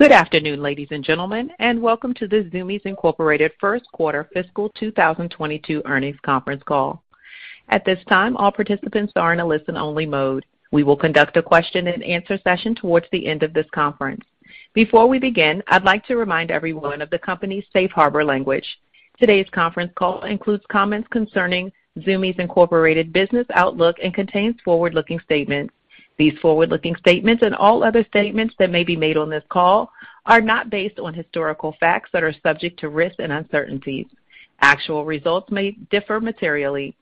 Good afternoon, ladies and gentlemen, and welcome to the Zumiez Inc. First Quarter Fiscal 2022 Earnings Conference Call. At this time, all participants are in a listen-only mode. We will conduct a question and answer session towards the end of this conference. Before we begin, I'd like to remind everyone of the company's safe harbor language. Today's conference call includes comments concerning Zumiez Inc. Business Outlook and contains forward-looking statements. These forward-looking statements and all other statements that may be made on this call are not based on historical facts that are subject to risks and uncertainties. Actual results may differ materially.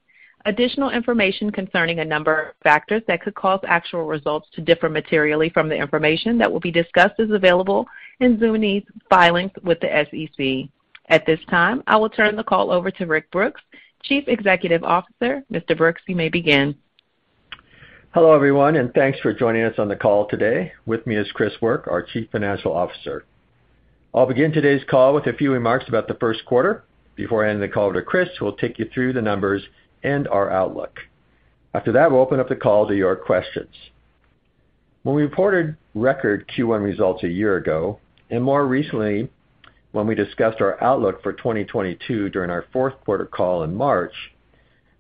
Additional information concerning a number of factors that could cause actual results to differ materially from the information that will be discussed is available in Zumiez's filings with the SEC. At this time, I will turn the call over to Rick Brooks, Chief Executive Officer. Mr. Brooks, you may begin. Hello, everyone, and thanks for joining us on the call today. With me is Chris Work, our Chief Financial Officer. I'll begin today's call with a few remarks about the first quarter before I hand the call to Chris, who will take you through the numbers and our outlook. After that, we'll open up the call to your questions. When we reported record Q1 results a year ago, and more recently when we discussed our outlook for 2022 during our fourth quarter call in March,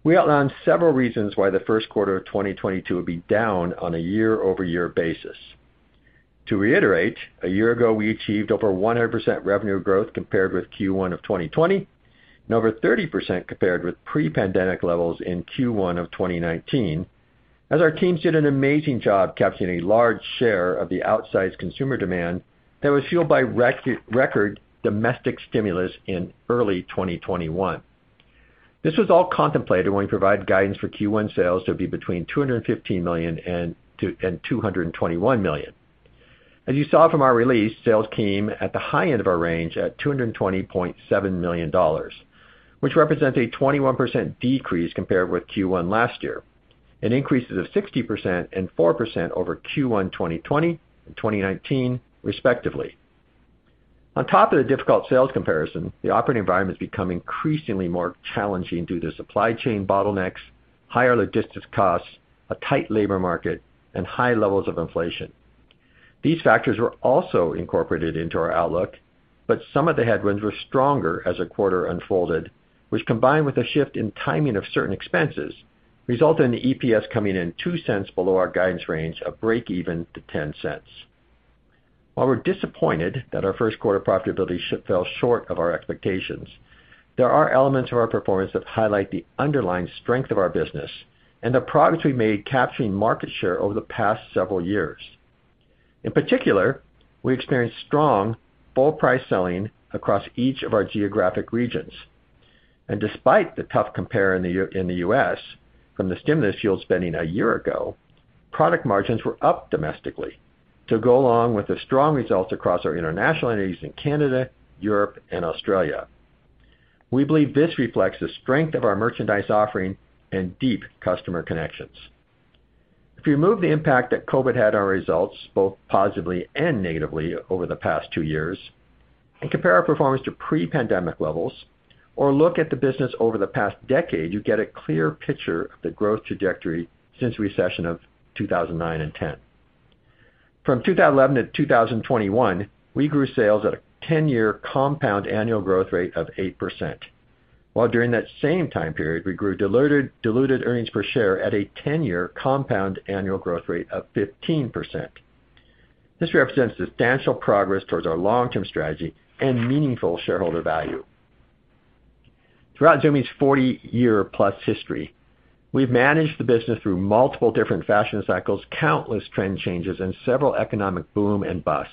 we outlined several reasons why the first quarter of 2022 would be down on a year-over-year basis. To reiterate, a year ago, we achieved over 100% revenue growth compared with Q1 of 2020, and over 30% compared with pre-pandemic levels in Q1 of 2019, as our teams did an amazing job capturing a large share of the outsized consumer demand that was fueled by record domestic stimulus in early 2021. This was all contemplated when we provided guidance for Q1 sales to be between $215 million and $221 million. As you saw from our release, sales came at the high end of our range at $220.7 million, which represents a 21% decrease compared with Q1 last year. It represents increases of 60% and 4% over Q1 2020 and 2019 respectively. On top of the difficult sales comparison, the operating environment has become increasingly more challenging due to supply chain bottlenecks, higher logistics costs, a tight labor market, and high levels of inflation. These factors were also incorporated into our outlook, but some of the headwinds were stronger as the quarter unfolded, which, combined with a shift in timing of certain expenses, resulted in the EPS coming in $0.02 below our guidance range of breakeven to $0.10. While we're disappointed that our first quarter profitability fell short of our expectations, there are elements of our performance that highlight the underlying strength of our business and the progress we've made capturing market share over the past several years. In particular, we experienced strong full price selling across each of our geographic regions. Despite the tough compare in the U.S. from the stimulus-fueled spending a year ago, product margins were up domestically to go along with the strong results across our international entities in Canada, Europe, and Australia. We believe this reflects the strength of our merchandise offering and deep customer connections. If you remove the impact that COVID had on our results, both positively and negatively over the past two years, and compare our performance to pre-pandemic levels or look at the business over the past decade, you get a clear picture of the growth trajectory since the recession of 2009 and 2010. From 2011-2021, we grew sales at a 10-year compound annual growth rate of 8%, while during that same time period, we grew diluted earnings per share at a 10-year compound annual growth rate of 15%. This represents substantial progress towards our long-term strategy and meaningful shareholder value. Throughout Zumiez's 40-year + history, we've managed the business through multiple different fashion cycles, countless trend changes, and several economic boom and busts,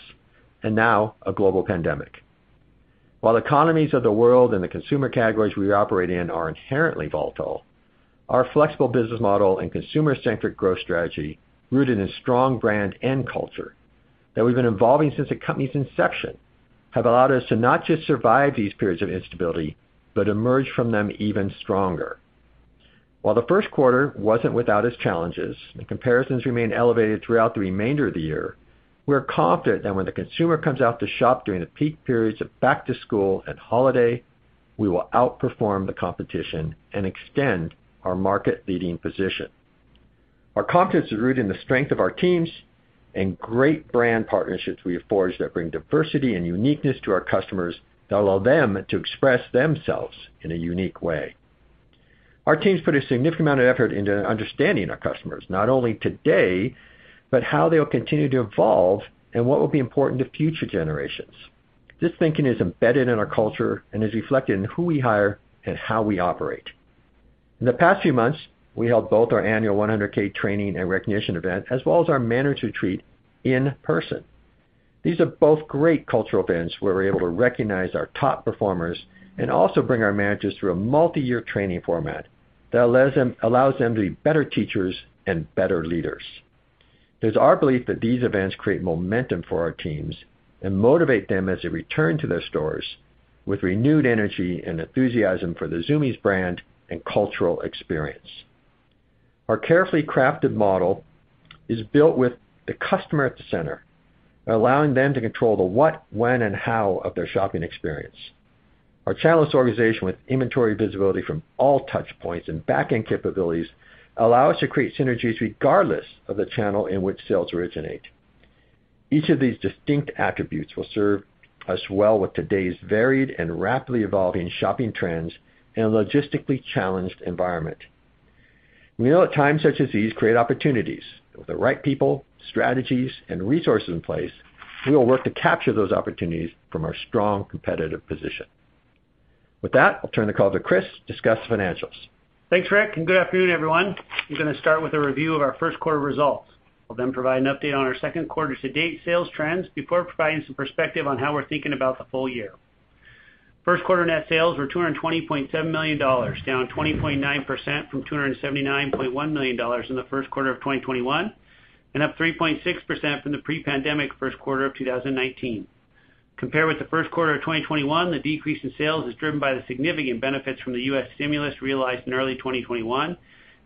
and now a global pandemic. While economies of the world and the consumer categories we operate in are inherently volatile, our flexible business model and consumer-centric growth strategy, rooted in strong brand and culture that we've been evolving since the company's inception, have allowed us to not just survive these periods of instability but emerge from them even stronger. While the first quarter wasn't without its challenges, and comparisons remain elevated throughout the remainder of the year, we are confident that when the consumer comes out to shop during the peak periods of back-to-school and holiday, we will outperform the competition and extend our market-leading position. Our confidence is rooted in the strength of our teams and great brand partnerships we have forged that bring diversity and uniqueness to our customers that allow them to express themselves in a unique way. Our teams put a significant amount of effort into understanding our customers, not only today, but how they will continue to evolve and what will be important to future generations. This thinking is embedded in our culture and is reflected in who we hire and how we operate. In the past few months, we held both our annual 100K training and recognition event as well as our manager retreat in person. These are both great cultural events where we're able to recognize our top performers and also bring our managers through a multi-year training format that allows them to be better teachers and better leaders. It is our belief that these events create momentum for our teams and motivate them as they return to their stores with renewed energy and enthusiasm for the Zumiez brand and cultural experience. Our carefully crafted model is built with the customer at the center, allowing them to control the what, when, and how of their shopping experience. Our channel's organization with inventory visibility from all touchpoints and back-end capabilities allow us to create synergies regardless of the channel in which sales originate. Each of these distinct attributes will serve us well with today's varied and rapidly evolving shopping trends in a logistically challenged environment. We know that times such as these create opportunities. With the right people, strategies, and resources in place, we will work to capture those opportunities from our strong competitive position. With that, I'll turn the call to Chris to discuss financials. Thanks, Rick, and good afternoon, everyone. I'm gonna start with a review of our first quarter results. I'll then provide an update on our second quarter to date sales trends before providing some perspective on how we're thinking about the full year. First quarter net sales were $220.7 million, down 20.9% from $279.1 million in the first quarter of 2021, and up 3.6% from the pre-pandemic first quarter of 2019. Compared with the first quarter of 2021, the decrease in sales is driven by the significant benefits from the US stimulus realized in early 2021,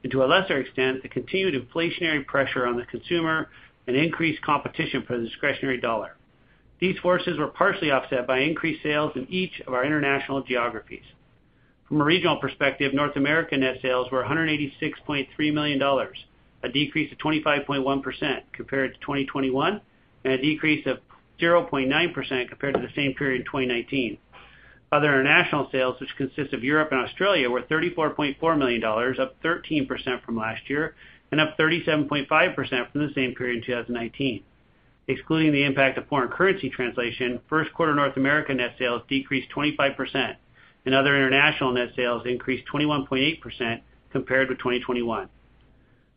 and to a lesser extent, the continued inflationary pressure on the consumer and increased competition for the discretionary dollar. These forces were partially offset by increased sales in each of our international geographies. From a regional perspective, North America net sales were $186.3 million, a decrease of 25.1% compared to 2021, and a decrease of 0.9% compared to the same period in 2019. Other international sales, which consist of Europe and Australia, were $34.4 million, up 13% from last year, and up 37.5% from the same period in 2019. Excluding the impact of foreign currency translation, first quarter North America net sales decreased 25%, and other international net sales increased 21.8% compared with 2021.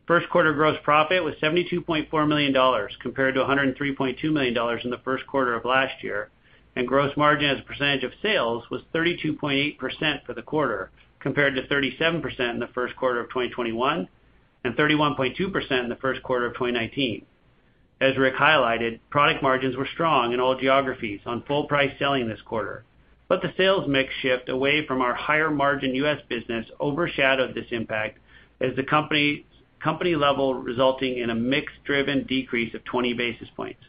First quarter gross profit was $72.4 million, compared to $103.2 million in the first quarter of last year, and gross margin as a percentage of sales was 32.8% for the quarter, compared to 37% in the first quarter of 2021, and 31.2% in the first quarter of 2019. As Rick highlighted, product margins were strong in all geographies on full price selling this quarter. The sales mix shift away from our higher margin US business overshadowed this impact at the company level resulting in a mix-driven decrease of 20 basis points.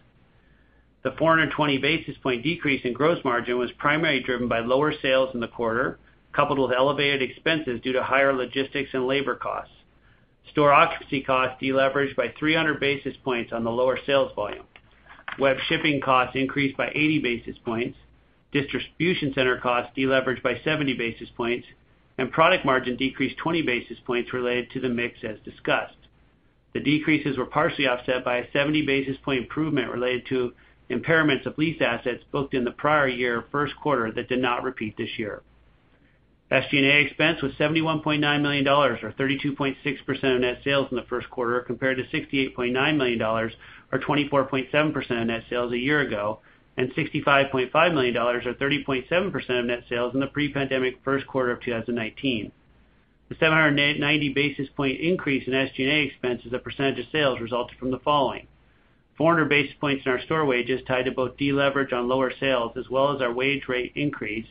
The 420 basis point decrease in gross margin was primarily driven by lower sales in the quarter, coupled with elevated expenses due to higher logistics and labor costs. Store occupancy costs deleveraged by 300 basis points on the lower sales volume. Web shipping costs increased by 80 basis points. Distribution center costs deleveraged by 70 basis points, and product margin decreased 20 basis points related to the mix as discussed. The decreases were partially offset by a 70 basis point improvement related to impairments of lease assets booked in the prior year first quarter that did not repeat this year. SG&A expense was $71.9 million or 32.6% of net sales in the first quarter, compared to $68.9 million or 24.7% of net sales a year ago, and $65.5 million or 30.7% of net sales in the pre-pandemic first quarter of 2019. The 790 basis point increase in SG&A expenses, a percentage of sales, resulted from the following. 400 basis points in our store wages tied to both deleverage on lower sales as well as our wage rate increase.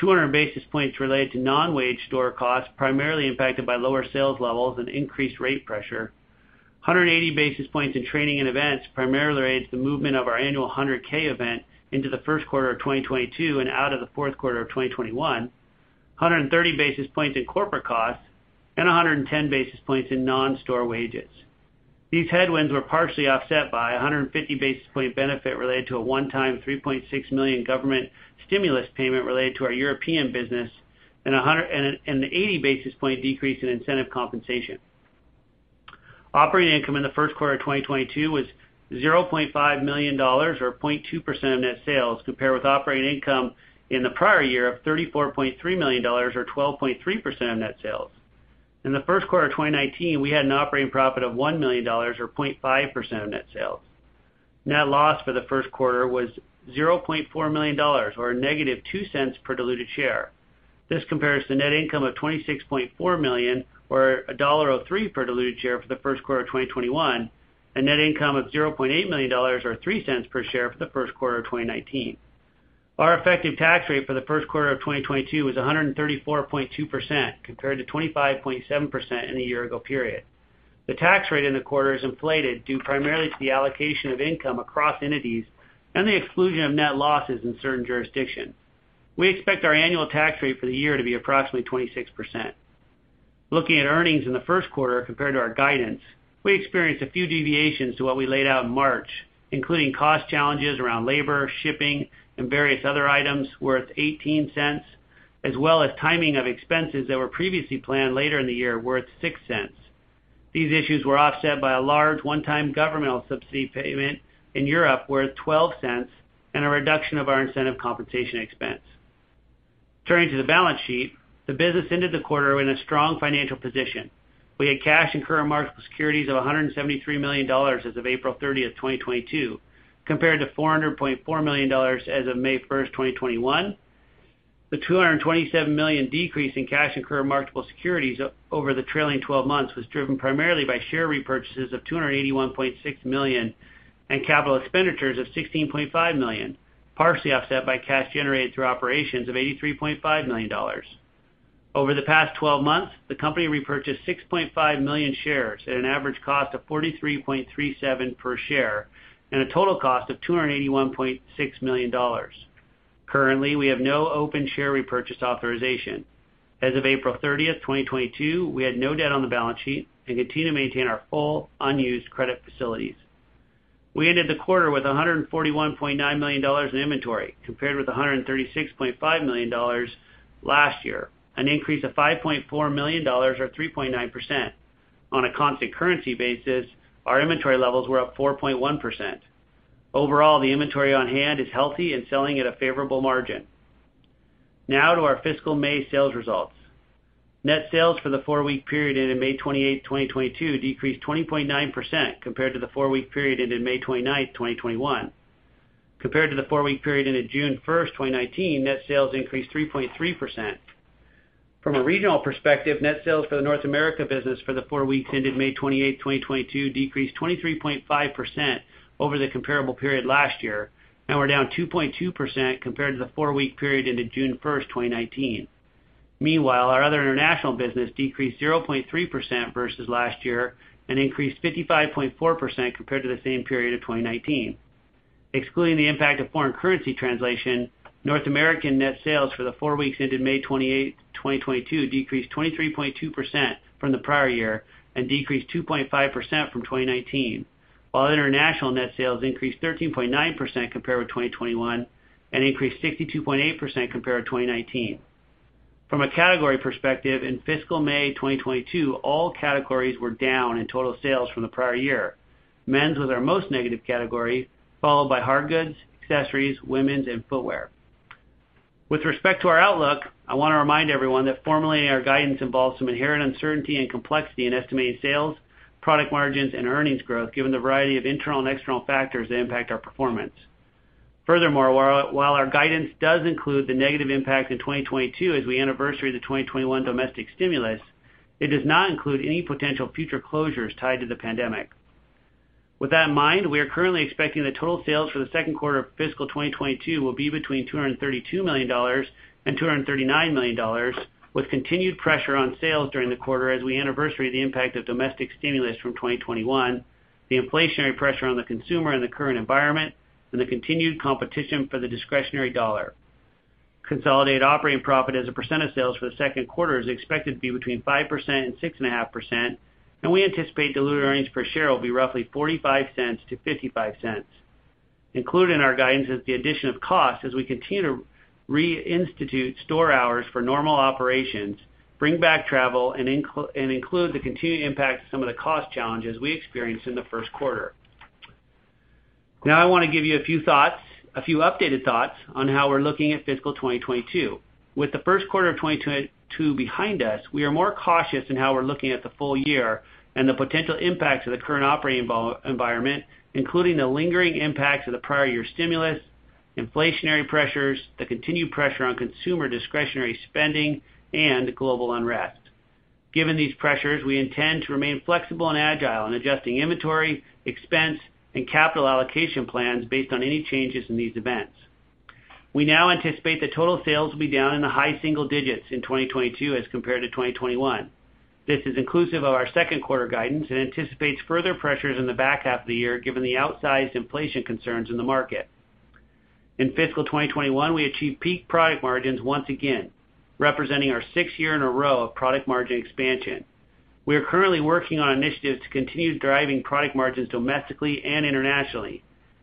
200 basis points related to non-wage store costs, primarily impacted by lower sales levels and increased rate pressure. 180 basis points in training and events, primarily relates to the movement of our annual 100K event into the first quarter of 2022 and out of the fourth quarter of 2021. 130 basis points in corporate costs and 110 basis points in non-store wages. These headwinds were partially offset by a 150 basis point benefit related to a one-time $3.6 million government stimulus payment related to our European business and an 180 basis point decrease in incentive compensation. Operating income in the first quarter of 2022 was $0.5 million or 0.2% of net sales, compared with operating income in the prior year of $34.3 million or 12.3% of net sales. In the first quarter of 2019, we had an operating profit of $1 million or 0.5% of net sales. Net loss for the first quarter was $0.4 million or -$0.02 per diluted share. This compares to net income of $26.4 million or $1.03 per diluted share for the first quarter of 2021, and net income of $0.8 million or $0.03 per share for the first quarter of 2019. Our effective tax rate for the first quarter of 2022 was 134.2%, compared to 25.7% in a year ago period. The tax rate in the quarter is inflated due primarily to the allocation of income across entities and the exclusion of net losses in certain jurisdictions. We expect our annual tax rate for the year to be approximately 26%. Looking at earnings in the first quarter compared to our guidance, we experienced a few deviations to what we laid out in March, including cost challenges around labor, shipping, and various other items worth $0.18, as well as timing of expenses that were previously planned later in the year worth $0.06. These issues were offset by a large one-time governmental subsidy payment in Europe worth $0.12 and a reduction of our incentive compensation expense. Turning to the balance sheet, the business ended the quarter in a strong financial position. We had cash and current marketable securities of $173 million as of April 30th, 2022, compared to $400.4 million as of May 1st, 2022.The $227 million decrease in cash and current marketable securities over the trailing 12 months was driven primarily by share repurchases of $281.6 million and capital expenditures of $16.5 million, partially offset by cash generated through operations of $83.5 million. Over the past 12 months, the company repurchased 6.5 million shares at an average cost of $43.37 per share and a total cost of $281.6 million. Currently, we have no open share repurchase authorization. As of April 30th, 2022, we had no debt on the balance sheet and continue to maintain our full unused credit facilities. We ended the quarter with $141.9 million in inventory, compared with $136.5 million last year, an increase of $5.4 million or 3.9%. On a constant currency basis, our inventory levels were up 4.1%. Overall, the inventory on hand is healthy and selling at a favorable margin. Now to our fiscal May sales results. Net sales for the four-week period ended May 28th, 2022, decreased 20.9% compared to the four-week period ended May 29th, 2021. Compared to the four-week period ended June 1st, 2019, net sales increased 3.3%. From a regional perspective, net sales for the North America business for the four weeks ended May 28th, 2022, decreased 23.5% over the comparable period last year and were down 2.2% compared to the four-week period ended June 1st, 2019. Meanwhile, our other international business decreased 0.3% versus last year and increased 55.4% compared to the same period of 2019. Excluding the impact of foreign currency translation, North American net sales for the four weeks ended May 28th, 2022, decreased 23.2% from the prior year and decreased 2.5% from 2019, while international net sales increased 13.9% compared with 2021 and increased 62.8% compared to 2019. From a category perspective, in fiscal May 2022, all categories were down in total sales from the prior year. Men's was our most negative category, followed by Hardgoods, Accessories, Women's and Footwear. With respect to our outlook, I wanna remind everyone that formulating our guidance involves some inherent uncertainty and complexity in estimating sales, product margins, and earnings growth given the variety of internal and external factors that impact our performance. Furthermore, while our guidance does include the negative impact in 2022 as we anniversary the 2021 domestic stimulus, it does not include any potential future closures tied to the pandemic. With that in mind, we are currently expecting that total sales for the second quarter of fiscal 2022 will be between $232 million and $239 million, with continued pressure on sales during the quarter as we anniversary the impact of domestic stimulus from 2021, the inflationary pressure on the consumer in the current environment, and the continued competition for the discretionary dollar. Consolidated operating profit as a percentage of sales for the second quarter is expected to be between 5% and 6.5%, and we anticipate diluted earnings per share will be roughly $0.45-$0.55. Included in our guidance is the addition of costs as we continue to reinstitute store hours for normal operations, bring back travel, and include the continued impact of some of the cost challenges we experienced in the first quarter. Now, I wanna give you a few thoughts, a few updated thoughts on how we're looking at fiscal 2022. With the first quarter of 2022 behind us, we are more cautious in how we're looking at the full year and the potential impacts of the current operating environment, including the lingering impacts of the prior year stimulus, inflationary pressures, the continued pressure on consumer discretionary spending, and global unrest. Given these pressures, we intend to remain flexible and agile in adjusting inventory, expense, and capital allocation plans based on any changes in these events. We now anticipate that total sales will be down in the high single digits in 2022 as compared to 2021. This is inclusive of our second quarter guidance and anticipates further pressures in the back half of the year given the outsized inflation concerns in the market. In fiscal 2021, we achieved peak product margins once again, representing our sixth year in a row of product margin expansion. We are currently working on initiatives to continue driving product margins domestically and internationally,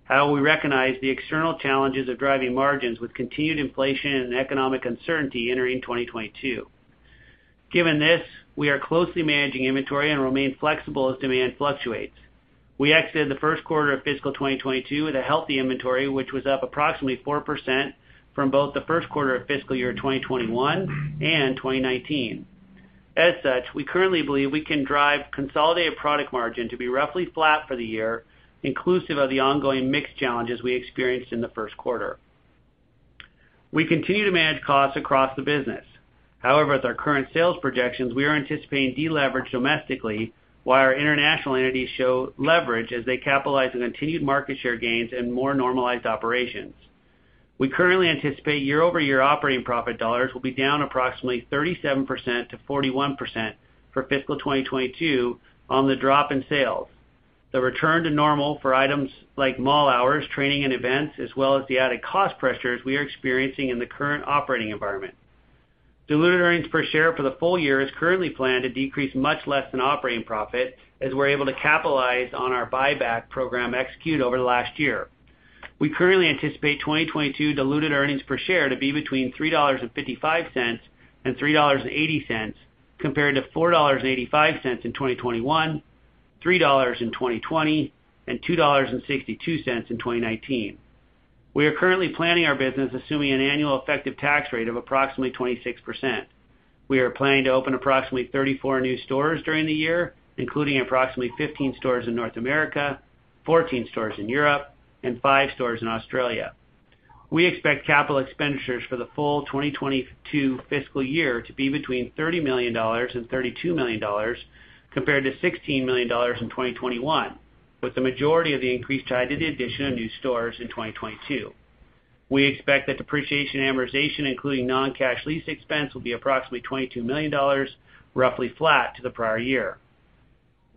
though we recognize the external challenges of driving margins with continued inflation and economic uncertainty entering 2022. Given this, we are closely managing inventory and remain flexible as demand fluctuates. We exited the first quarter of fiscal 2022 with a healthy inventory, which was up approximately 4% from both the first quarter of fiscal year 2021 and 2019. As such, we currently believe we can drive consolidated product margin to be roughly flat for the year, inclusive of the ongoing mix challenges we experienced in the first quarter. We continue to manage costs across the business. However, with our current sales projections, we are anticipating deleverage domestically, while our international entities show leverage as they capitalize on continued market share gains and more normalized operations. We currently anticipate year-over-year operating profit dollars will be down approximately 37%-41% for fiscal 2022 on the drop in sales, the return to normal for items like mall hours, training, and events, as well as the added cost pressures we are experiencing in the current operating environment. Diluted earnings per share for the full year is currently planned to decrease much less than operating profit as we're able to capitalize on our buyback program execute over the last year. We currently anticipate 2022 diluted earnings per share to be between $3.55 and $3.80 compared to $4.85 in 2021, $3 in 2020, and $2.62 in 2019. We are currently planning our business assuming an annual effective tax rate of approximately 26%. We are planning to open approximately 34 new stores during the year, including approximately 15 stores in North America, 14 stores in Europe, and five stores in Australia. We expect capital expenditures for the full 2022 fiscal year to be between $30 million and $32 million compared to $16 million in 2021, with the majority of the increase tied to the addition of new stores in 2022. We expect that depreciation amortization, including non-cash lease expense, will be approximately $22 million, roughly flat to the prior year.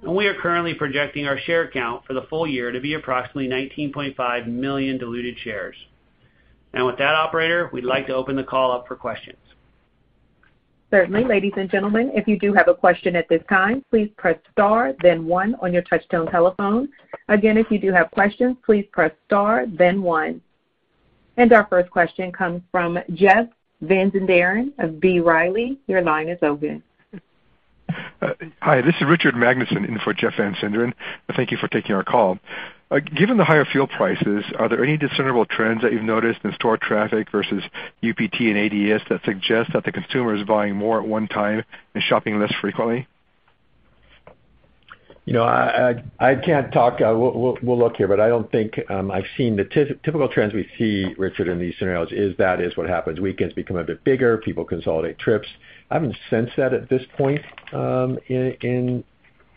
We are currently projecting our share count for the full year to be approximately 19.5 million diluted shares. With that, operator, we'd like to open the call up for questions. Certainly. Ladies and gentlemen, if you do have a question at this time, please press star then one on your touchtone telephone. Again, if you do have questions, please press star then one. Our first question comes from Jeff Van Sinderen of B. Riley. Your line is open. Hi, this is Richard Magnusen in for Jeff Van Sinderen. Thank you for taking our call. Given the higher fuel prices, are there any discernible trends that you've noticed in store traffic versus UPT and ADS that suggest that the consumer is buying more at one time and shopping less frequently? You know, I can't talk. We'll look here, but I don't think I've seen the typical trends we see, Richard, in these scenarios is that what happens. Weekends become a bit bigger. People consolidate trips. I haven't sensed that at this point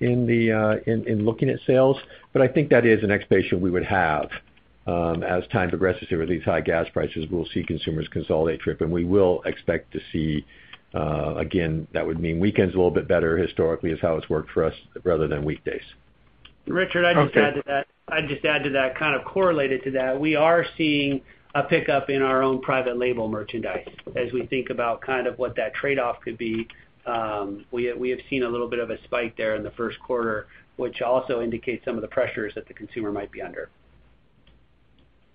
in looking at sales, but I think that is an expectation we would have. As time progresses here with these high gas prices, we'll see consumers consolidate trips, and we will expect to see again, that would mean weekends a little bit better historically is how it's worked for us rather than weekdays. Okay. Richard, I'd just add to that kind of correlated to that, we are seeing a pickup in our own Private Label Merchandise. As we think about kind of what that trade-off could be, we have seen a little bit of a spike there in the first quarter, which also indicates some of the pressures that the consumer might be under.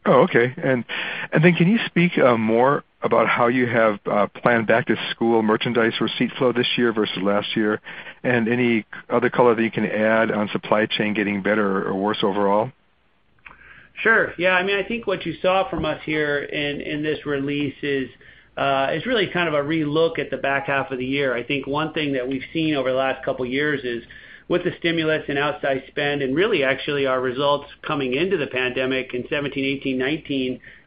Oh, okay. Can you speak more about how you have planned Back-to-School merchandise receipt flow this year versus last year and any other color that you can add on supply chain getting better or worse overall? Sure. Yeah. I mean, I think what you saw from us here in this release is really kind of a relook at the back half of the year. I think one thing that we've seen over the last couple years is with the stimulus and outside spend, and really actually our results coming into the pandemic in 2017, 2018,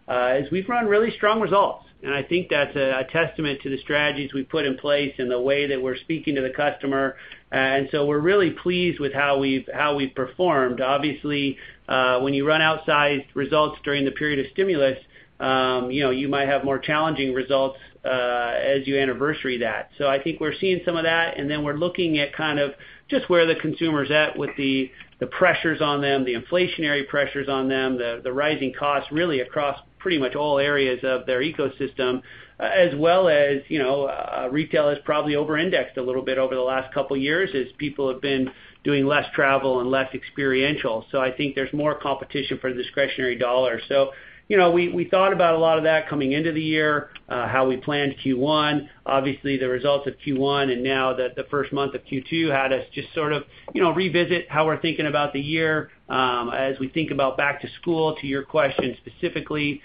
2019, is we've run really strong results. I think that's a testament to the strategies we've put in place and the way that we're speaking to the customer. We're really pleased with how we've performed. Obviously, when you run outsized results during the period of stimulus, you know, you might have more challenging results, as you anniversary that. I think we're seeing some of that, and then we're looking at kind of just where the consumer's at with the pressures on them, the inflationary pressures on them, the rising costs really across pretty much all areas of their ecosystem as well as, you know, retail has probably over-indexed a little bit over the last couple years as people have been doing less travel and less experiential. I think there's more competition for the discretionary dollar. You know, we thought about a lot of that coming into the year, how we planned Q1. Obviously, the results of Q1 and now the first month of Q2 had us just sort of, you know, revisit how we're thinking about the year. As we think about back to school, to your question specifically,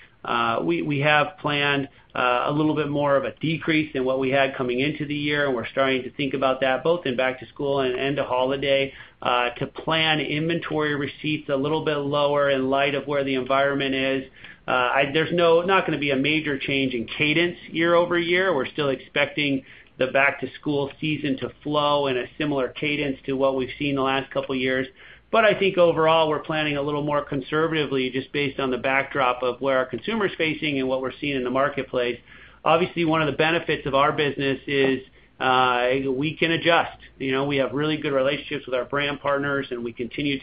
we have planned a little bit more of a decrease than what we had coming into the year. We're starting to think about that both in Back-to-School and End-of-Holiday, to plan inventory receipts a little bit lower in light of where the environment is. Not gonna be a major change in cadence year-over-year. We're still expecting the Back-to-School Season to flow in a similar cadence to what we've seen the last couple years. I think overall, we're planning a little more conservatively just based on the backdrop of where our consumer is facing and what we're seeing in the marketplace. Obviously, one of the benefits of our business is we can adjust. You know, we have really good relationships with our brand partners, and we continue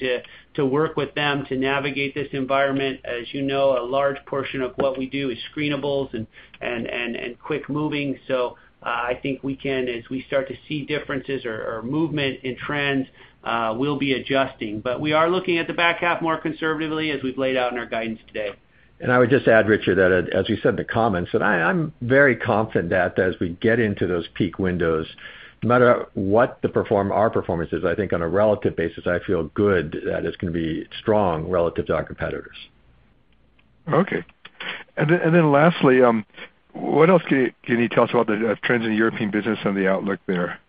to work with them to navigate this environment. As you know, a large portion of what we do is screenables and quick moving. So, I think we can, as we start to see differences or movement in trends, we'll be adjusting. We are looking at the back half more conservatively as we've laid out in our guidance today. I would just add, Richard, that as we said in the comments, I'm very confident that as we get into those peak windows, no matter what our performance is, I think on a relative basis, I feel good that it's gonna be strong relative to our competitors. Okay. Lastly, what else can you tell us about the trends in European business and the outlook there?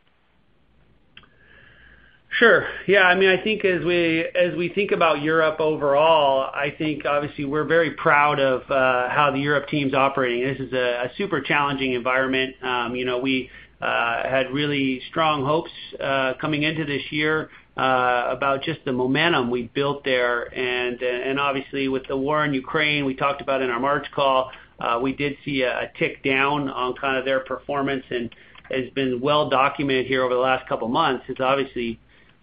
Sure. Yeah. I mean, I think as we think about Europe overall, I think obviously we're very proud of how the Europe team's operating. This is a super challenging environment. You know, we had really strong hopes coming into this year about just the momentum we built there. Obviously with the war in Ukraine, we talked about in our March call, we did see a tick down on kind of their performance and has been well documented here over the last couple months. It's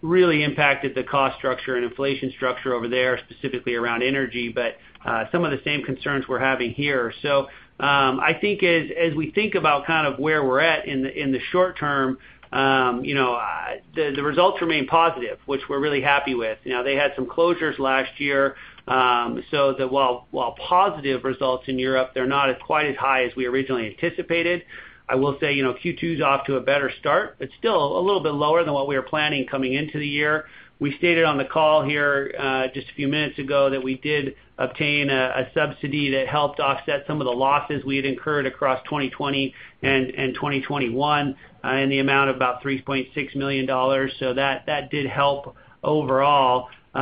obviously really impacted the cost structure and inflation structure over there, specifically around energy, but some of the same concerns we're having here. I think as we think about kind of where we're at in the short term, you know, the results remain positive, which we're really happy with. You know, they had some closures last year. While positive results in Europe, they're not quite as high as we originally anticipated. I will say, you know, Q2's off to a better start, but still a little bit lower than what we were planning coming into the year. We stated on the call here just a few minutes ago that we did obtain a subsidy that helped offset some of the losses we had incurred across 2020 and 2021 in the amount of about $3.6 million. That did help overall. You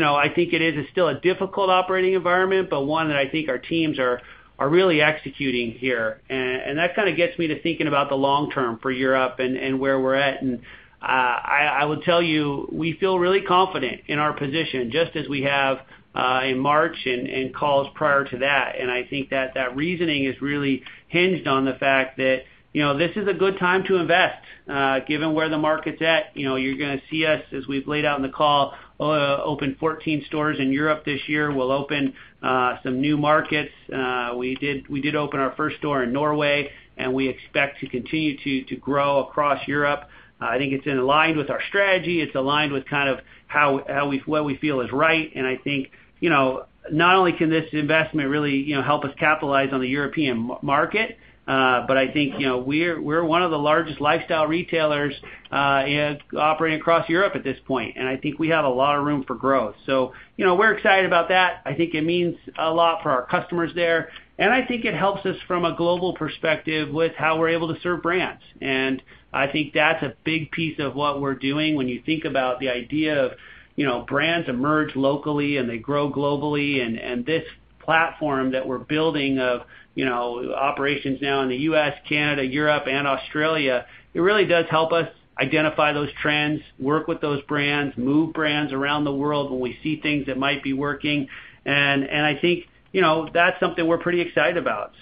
know, I think it is still a difficult operating environment, but one that I think our teams are really executing here. That kind of gets me to thinking about the long term for Europe and where we're at. I will tell you, we feel really confident in our position, just as we have in March and calls prior to that. I think that reasoning is really hinged on the fact that, you know, this is a good time to invest. Given where the market's at, you know, you're gonna see us, as we've laid out in the call, open 14 stores in Europe this year. We'll open some new markets. We did open our first store in Norway, and we expect to continue to grow across Europe. I think it's aligned with our strategy. It's aligned with kind of what we feel is right. I think, you know, not only can this investment really, you know, help us capitalize on the European Market, but I think, you know, we're one of the largest lifestyle retailers operating across Europe at this point, and I think we have a lot of room for growth. You know, we're excited about that. I think it means a lot for our customers there, and I think it helps us from a global perspective with how we're able to serve brands. I think that's a big piece of what we're doing when you think about the idea of, you know, brands emerge locally, and they grow globally. This platform that we're building of, you know, operations now in the U.S., Canada, Europe and Australia, it really does help us identify those trends, work with those brands, move brands around the world when we see things that might be working. I think, you know, that's something we're pretty excited about.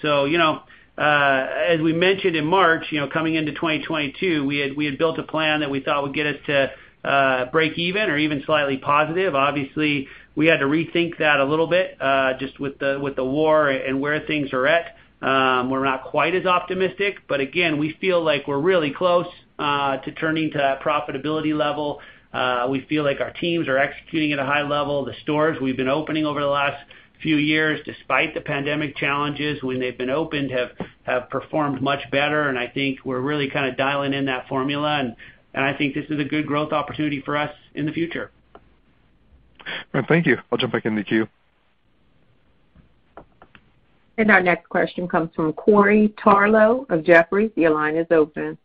As we mentioned in March, you know, coming into 2022, we had built a plan that we thought would get us to break even or even slightly positive. Obviously, we had to rethink that a little bit just with the war and where things are at. We're not quite as optimistic, but again, we feel like we're really close to turning to that profitability level. We feel like our teams are executing at a high level. The stores we've been opening over the last few years, despite the pandemic challenges when they've been opened, have performed much better, and I think we're really kind of dialing in that formula. I think this is a good growth opportunity for us in the future. All right. Thank you. I'll jump back in the queue. Our next question comes from Corey Tarlowe of Jefferies. Your line is open.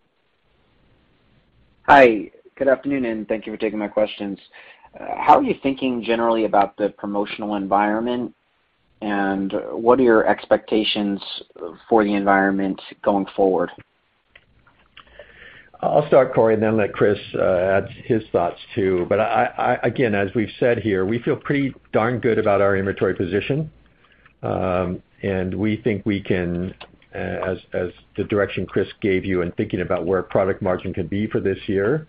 Hi, good afternoon, and thank you for taking my questions. How are you thinking generally about the promotional environment, and what are your expectations for the environment going forward? I'll start, Corey, and then let Chris add his thoughts too. Again, as we've said here, we feel pretty darn good about our inventory position. We think we can, as the direction Chris gave you in thinking about where product margin can be for this year,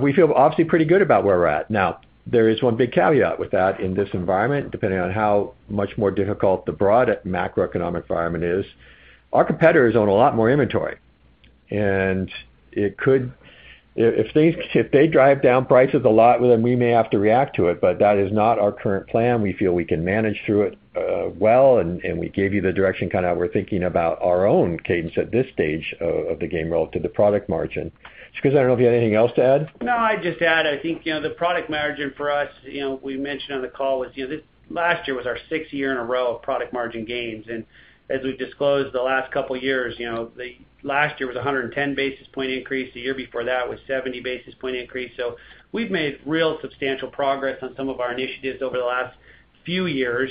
we feel obviously pretty good about where we're at. Now, there is one big caveat with that in this environment, depending on how much more difficult the broad macroeconomic environment is. Our competitors own a lot more inventory, and it could. If they drive down prices a lot, well, then we may have to react to it, but that is not our current plan. We feel we can manage through it, well, and we gave you the direction kind of how we're thinking about our own cadence at this stage of the game relative to product margin. Chris, I don't know if you had anything else to add. No, I'd just add, I think, you know, the product margin for us, you know, we mentioned on the call was, you know, last year was our sixth year in a row of product margin gains. As we've disclosed the last couple years, you know, last year was a 110 basis point increase. The year before that was 70 basis point increase. We've made real substantial progress on some of our initiatives over the last few years,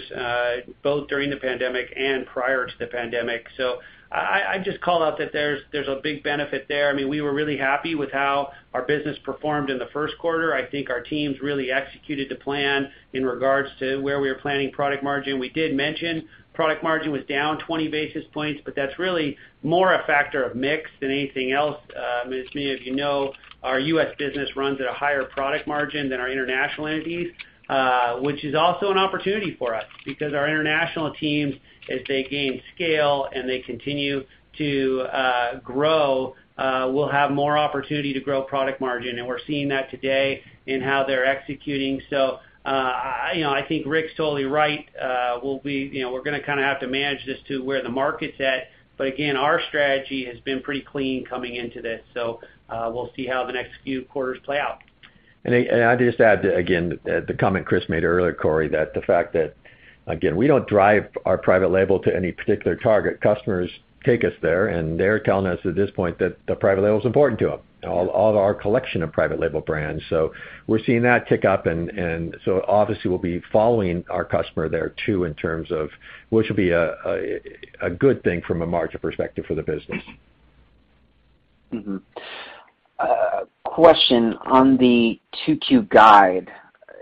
both during the pandemic and prior to the pandemic. I just call out that there's a big benefit there. I mean, we were really happy with how our business performed in the first quarter. I think our teams really executed the plan in regards to where we were planning product margin. We did mention product margin was down 20 basis points, but that's really more a factor of mix than anything else. As many of you know, our US business runs at a higher product margin than our international entities, which is also an opportunity for us because our international teams, as they gain scale and they continue to grow, will have more opportunity to grow product margin. We're seeing that today in how they're executing. You know, I think Rick's totally right. You know, we're gonna kind of have to manage this to where the market's at, but again, our strategy has been pretty clean coming into this. We'll see how the next few quarters play out. I'd just add, again, the comment Chris made earlier, Corey, that the fact that, again, we don't drive our private label to any particular target. Customers take us there, and they're telling us at this point that the private label is important to them, all of our collection of private label brands. We're seeing that tick up and obviously we'll be following our customer there too in terms of which will be a good thing from a margin perspective for the business. Question on the 2Q guide.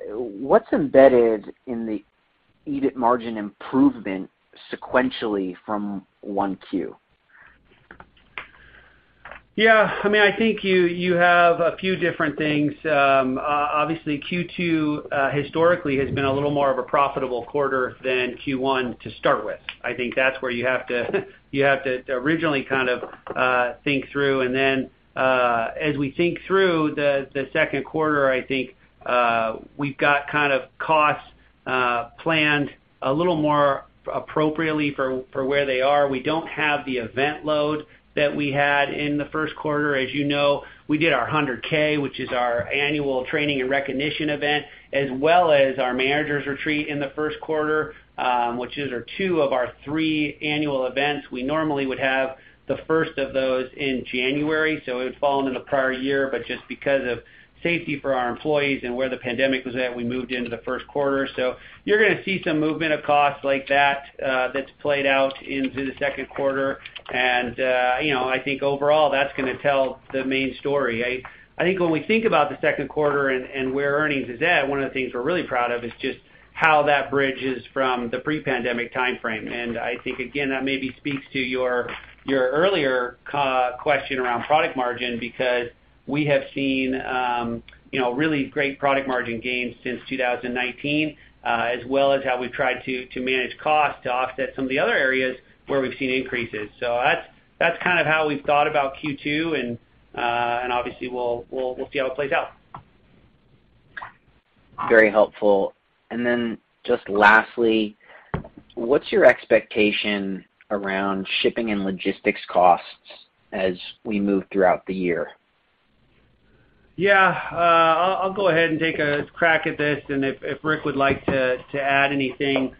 What's embedded in the EBIT margin improvement sequentially from 1Q? Yeah. I mean, I think you have a few different things. Obviously, Q2 historically has been a little more of a profitable quarter than Q1 to start with. I think that's where you have to originally kind of think through. Then, as we think through the second quarter, I think we've got kind of costs planned a little more appropriately for where they are. We don't have the event load that we had in the first quarter. As you know, we did our 100K, which is our annual training and recognition event, as well as our managers retreat in the first quarter, which is two of our three annual events. We normally would have the first of those in January, so it would've fallen in the prior year, but just because of safety for our employees and where the pandemic was at, we moved into the first quarter. You're gonna see some movement of costs like that's played out into the second quarter. You know, I think overall that's gonna tell the main story. I think when we think about the second quarter and where earnings is at, one of the things we're really proud of is just how that bridges from the pre-pandemic timeframe. I think, again, that maybe speaks to your earlier question around product margin because we have seen, you know, really great product margin gains since 2019, as well as how we've tried to manage costs to offset some of the other areas where we've seen increases. That's kind of how we've thought about Q2, and obviously we'll see how it plays out. Very helpful. Just lastly, what's your expectation around shipping and logistics costs as we move throughout the year? Yeah, I'll go ahead and take a crack at this, and if Rick would like to add anything.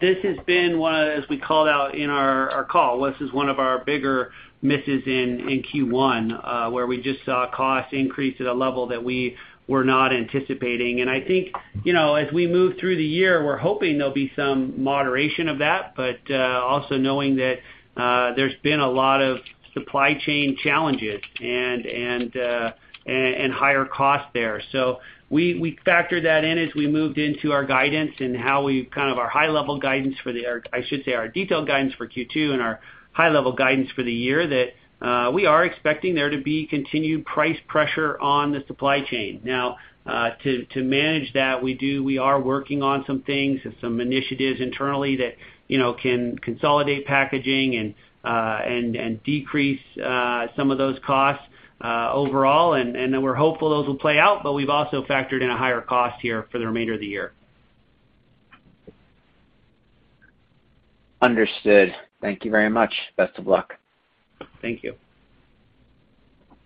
This has been one, as we called out in our call. This is one of our bigger misses in Q1, where we just saw costs increase at a level that we were not anticipating. I think, you know, as we move through the year, we're hoping there'll be some moderation of that, but also knowing that there's been a lot of supply chain challenges and higher costs there. We factored that in as we moved into our guidance and our detailed guidance for Q2 and our high level guidance for the year that we are expecting there to be continued price pressure on the supply chain. Now, to manage that, we are working on some things and some initiatives internally that, you know, can consolidate packaging and decrease some of those costs overall. We're hopeful those will play out, but we've also factored in a higher cost here for the remainder of the year. Understood. Thank you very much. Best of luck. Thank you.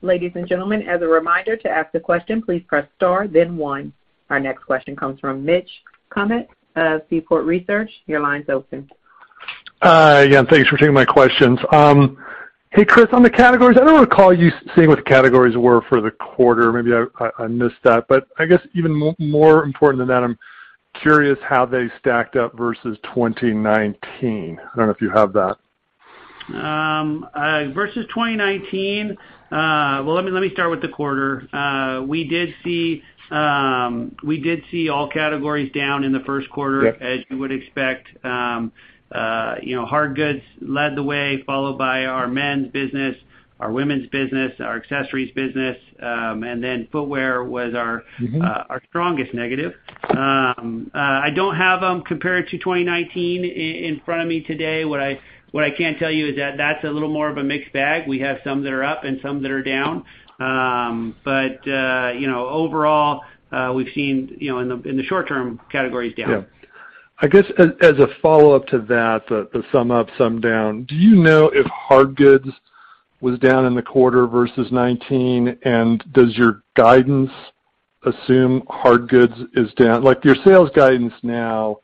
Ladies and gentlemen, as a reminder, to ask a question, please press star then one. Our next question comes from Mitch Kummetz of Seaport Research Partners. Your line's open. Yeah, thanks for taking my questions. Hey, Chris, on the categories, I don't recall you saying what the categories were for the quarter. Maybe I missed that. I guess even more important than that, I'm curious how they stacked up versus 2019. I don't know if you have that. Versus 2019. Well, let me start with the quarter. We did see all categories down in the first quarter. Okay As you would expect. You know, hardgoods led the way, followed by our Men's business, our Women's business, our Accessories business, and then Footwear was our Mm-hmm Our strongest negative. I don't have them compared to 2019 in front of me today. What I can tell you is that that's a little more of a mixed bag. We have some that are up and some that are down. You know, overall, we've seen, you know, in the short term, categories down. Yeah. I guess as a follow-up to that, some up, some down, do you know if Hardgoods was down in the quarter versus 2019? Does your guidance assume Hardgoods is down? Like, your sales guidance now,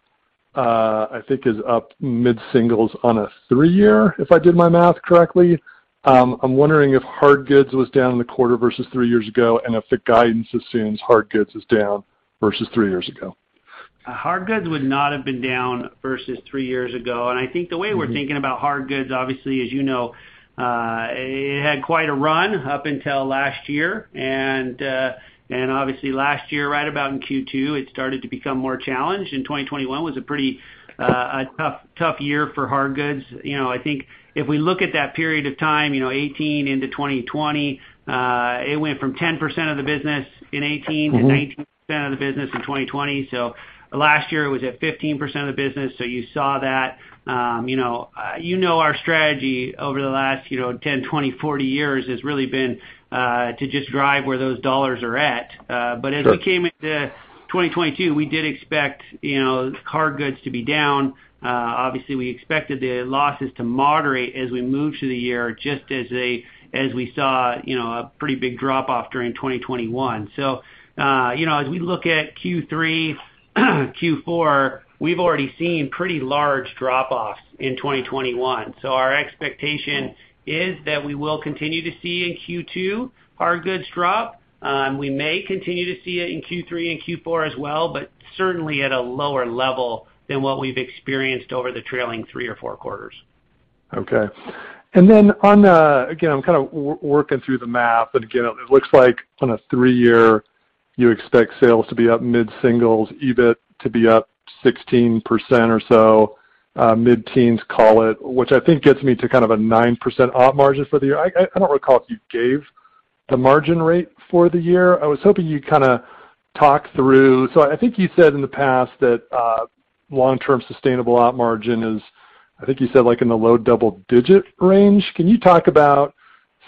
I think is up mid-singles on a three-year, if I did my math correctly. I'm wondering if Hardgoods was down in the quarter versus three years ago, and if the guidance assumes Hardgoods is down versus three years ago. Hardgoods would not have been down versus three years ago. I think the way we're thinking about Hardgoods, obviously, as you know, it had quite a run up until last year. Obviously last year, right about in Q2, it started to become more challenged. 2021 was a pretty, a tough year for Hardgoods. You know, I think if we look at that period of time, you know, 2018 into 2020, it went from 10% of the business in 2018 to 19% of the business in 2020. So last year, it was at 15% of the business. So you saw that. You know, our strategy over the last, you know, 10, 20, 40 years has really been to just drive where those dollars are at. As we came into 2022, we did expect, you know, Hardgoods to be down. Obviously, we expected the losses to moderate as we moved through the year, just as we saw, you know, a pretty big drop-off during 2021. As we look at Q3, Q4, we've already seen pretty large drop-offs in 2021. Our expectation is that we will continue to see in Q2 Hardgoods drop. We may continue to see it in Q3 and Q4 as well, but certainly at a lower level than what we've experienced over the trailing three or four quarters. Okay. Again, I'm kinda working through the math. It looks like on a three-year, you expect sales to be up mid-singles, EBIT to be up 16% or so, mid-teens call it, which I think gets me to kind of a 9% op margin for the year. I don't recall if you gave the margin rate for the year. I was hoping you'd kinda talk through. I think you said in the past that long-term sustainable op margin is, I think, you said, like, in the low double-digit range. Can you talk about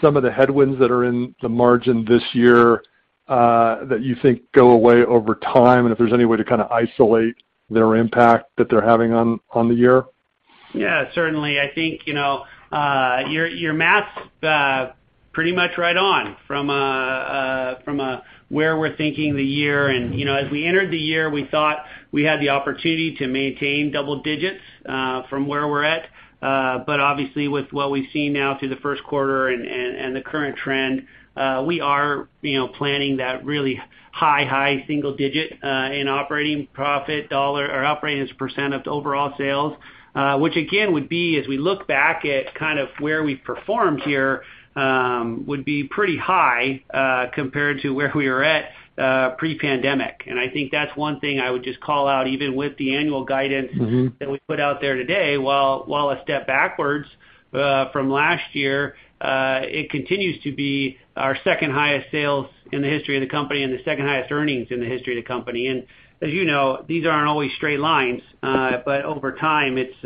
some of the headwinds that are in the margin this year, that you think go away over time, and if there's any way to kinda isolate their impact that they're having on the year? Yeah, certainly. I think, you know, your math's pretty much right on from where we're thinking the year. You know, as we entered the year, we thought we had the opportunity to maintain double digits from where we're at. But obviously with what we've seen now through the first quarter and the current trend, we are, you know, planning that really high single digit in operating profit dollar or operating as a percent of the overall sales. Which again would be as we look back at kind of where we've performed here, would be pretty high compared to where we were at pre-pandemic. I think that's one thing I would just call out, even with the annual guidance. Mm-hmm ...that we put out there today. While a step backwards from last year, it continues to be our second highest sales in the history of the company and the second highest earnings in the history of the company. As you know, these aren't always straight lines, but over time, it's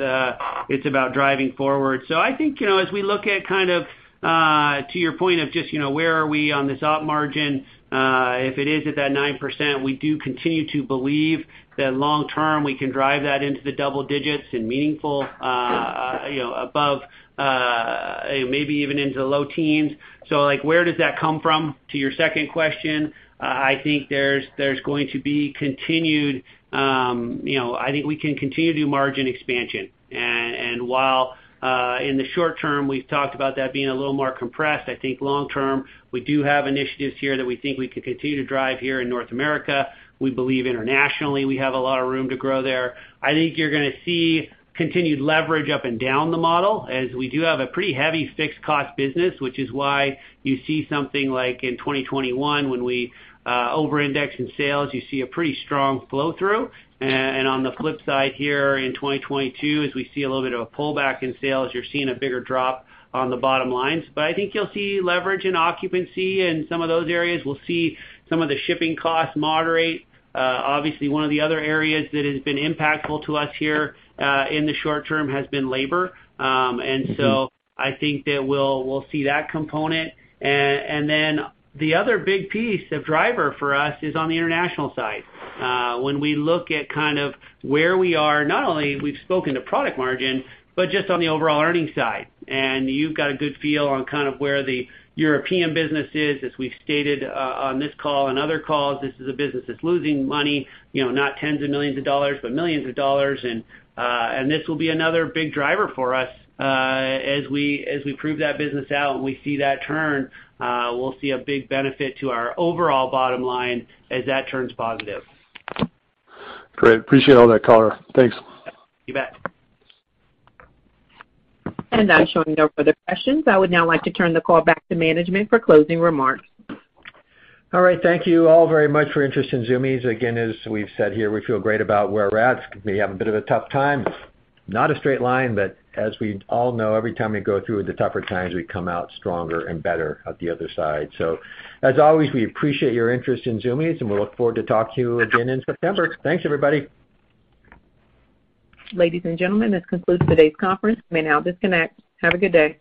about driving forward. I think, you know, as we look at kind of to your point of just, you know, where are we on this op margin, if it is at that 9%, we do continue to believe that long term, we can drive that into the double digits meaningfully, you know, above, maybe even into the low teens. Like, where does that come from? To your second question, I think there's going to be continued, I think we can continue to do margin expansion. While in the short term, we've talked about that being a little more compressed, I think long term, we do have initiatives here that we think we can continue to drive here in North America. We believe internationally, we have a lot of room to grow there. I think you're gonna see continued leverage up and down the model as we do have a pretty heavy fixed cost business, which is why you see something like in 2021 when we over-indexed in sales, you see a pretty strong flow through. On the flip side here in 2022, as we see a little bit of a pullback in sales, you're seeing a bigger drop on the bottom lines. I think you'll see leverage in occupancy, and some of those areas will see some of the shipping costs moderate. Obviously, one of the other areas that has been impactful to us here, in the short term has been labor. I think that we'll see that component. The other big piece of driver for us is on the international side. When we look at kind of where we are, not only we've spoken to product margin, but just on the overall earnings side. You've got a good feel on kind of where the European business is. As we've stated, on this call and other calls, this is a business that's losing money, you know, not tens of millions dollars, but millions dollars. This will be another big driver for us, as we prove that business out and we see that turn, we'll see a big benefit to our overall bottom line as that turns positive. Great. Appreciate all that, Chris Work. Thanks. You bet. I'm showing no further questions. I would now like to turn the call back to management for closing remarks. All right. Thank you all very much for your interest in Zumiez. Again, as we've said here, we feel great about where we're at. We have a bit of a tough time. Not a straight line, but as we all know, every time we go through the tougher times, we come out stronger and better at the other side. As always, we appreciate your interest in Zumiez, and we look forward to talking to you again in September. Thanks, everybody. Ladies and gentlemen, this concludes today's conference. You may now disconnect. Have a good day.